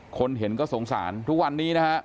คนเห็นก็สงสารทุกวันนี้นะฮะ